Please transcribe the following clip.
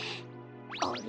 あれ？